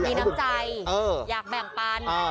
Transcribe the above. มีน้ำใจเอ่อยากแบ่งปัญอ่า